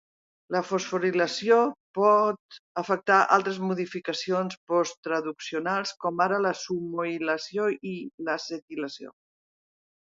La fosforilació por afectar altres modificacions postraduccionals, com ara la SUMOilació i l'acetilació.